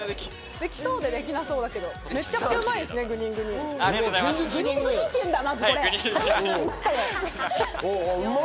できそうでできなそうだけど、めちゃくちゃグニングニンうまい